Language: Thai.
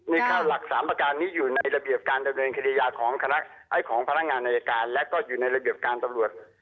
นี่เข้าหลัก๓ประการนี้อยู่ในระเบียบการดำเนินคดียาของพนักงานอายการและก็อยู่ในระเบียบการตำรวจ